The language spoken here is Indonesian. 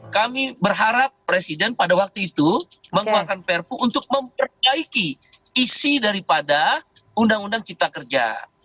kami berharap presiden pada waktu itu mengeluarkan perpu untuk memperbaiki isi daripada undang undang cipta kerja